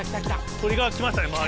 鳥が来ましたね、周り。